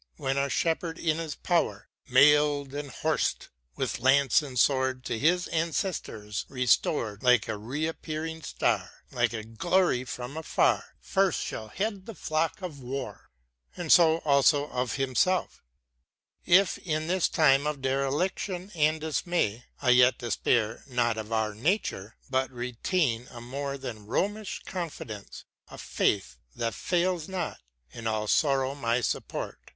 When our Shepherd in his power, Mail'd and horsed, with lance and sword To his ancestors restored Like a reappearing Star, Like a glory from afar, First shall head the flock of war ! And so also of himself : If, in this time Of dereliction and dismay, I yet Despair not of our nature, but retain A more than Roman confidence, a faith That fails not, in all sorrow my support.